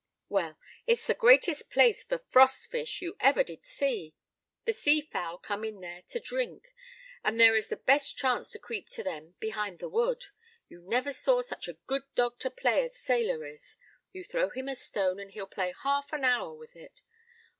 "Well, it's the greatest place for frost fish you ever did see. The sea fowl come in there to drink, and there is the best chance to creep to them behind the wood. You never saw such a good dog to play as Sailor is; you throw him a stone, and he'll play half an hour with it.